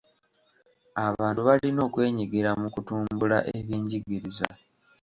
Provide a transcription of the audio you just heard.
Abantu balina okwenyigira mu kutumbula ebyenjigiriza.